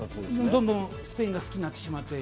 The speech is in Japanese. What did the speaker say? どんどんスペインが好きになってしまって。